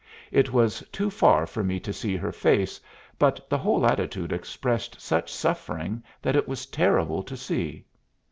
It was too far for me to see her face, but the whole attitude expressed such suffering that it was terrible to see.